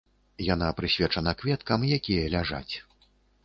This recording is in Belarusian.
Яна прысвечана кветкам, якія ляжаць.